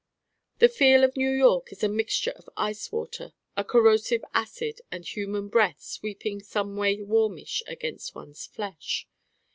The feel of New York is a mixture of ice water, a corrosive acid and human breath sweeping someway warmish against one's flesh.